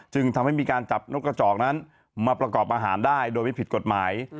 จึงทำให้มีการจับนกกระจอกนั้นมาประกอบอาหารได้โดยไม่ผิดกฎหมาย